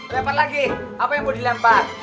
lempar lagi apa yang mau dilempar